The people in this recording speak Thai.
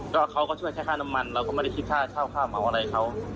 ก็เขาก็ช่วยแค่ค่าน้ำมันเราก็ไม่ได้คิดค่าเช่าค่าเหมาอะไรเขา